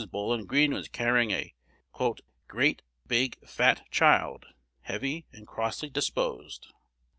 Bowlin Greene was carrying "a great big fat child, heavy, and crossly disposed."